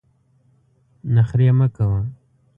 نخرې مه کوه !